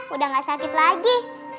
udah gak sakit lagi